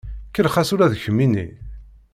Kellex-as ula d kemmini.